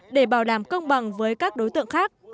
để bảo đảm công bằng với các đối tượng khác